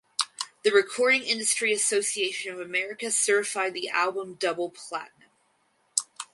The Recording Industry Association of America certified the album double platinum.